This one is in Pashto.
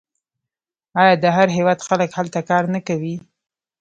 آیا د هر هیواد خلک هلته کار نه کوي؟